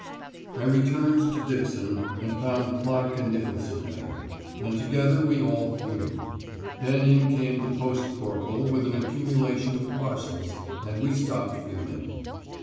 I returned to Dixon, and found Clark and Nicolson there; and together we all fumed. Then in came the post corporal with an accumulation of parcels, and we stopped fuming.